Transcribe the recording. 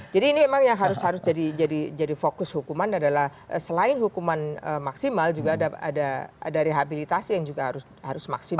jadi ini memang yang harus harus jadi fokus hukuman adalah selain hukuman maksimal juga ada rehabilitasi yang juga harus maksimal